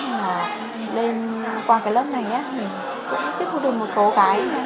nhưng mà qua cái lớp này mình cũng tiếp thu được một số cái